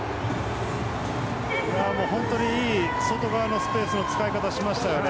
本当にいい外側のスペースの使い方しましたよね。